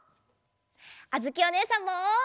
あづきおねえさんも！